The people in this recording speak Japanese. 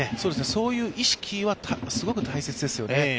そういう意識はすごく大切ですよね。